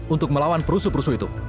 untuk melawan perusuh perusuh itu